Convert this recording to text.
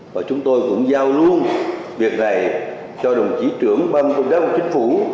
và chúng tôi cũng giao luôn việc này cho đồng chí trưởng ban công tác của chính phủ